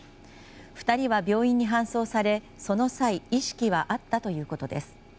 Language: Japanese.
２人は病院に搬送され、その際意識はあったということです。